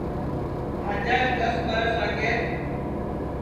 آجاس دؔس ٻرس آگے